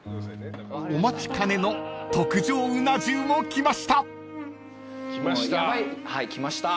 ［お待ちかねの特上うな重も来ました］来ました。